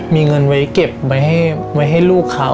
มีเงินไว้เก็บไว้ให้ลูกเขา